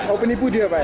oh penipu dia apa ya